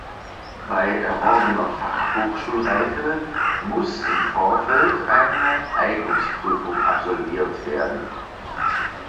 Bei erworbener Fachhochschulreife muss im Vorfeld eine Eignungsprüfung absolviert werden.